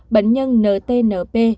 bệnh nhân ntnp